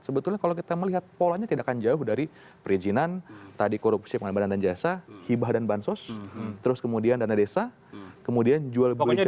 sebetulnya kalau kita melihat polanya tidak akan jauh dari perizinan tadi korupsi pengadaan dan jasa hibah dan bansos terus kemudian dana desa kemudian jual beli jabatan